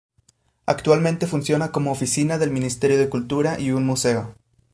Actualmente funciona como oficina del Ministerio de Cultura y un museo.